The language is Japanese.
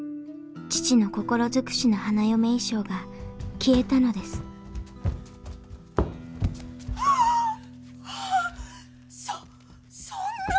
父の心づくしの花嫁衣装が消えたのですああそそんな！